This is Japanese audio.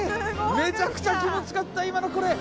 めちゃくちゃ気持ちかった今のこれ！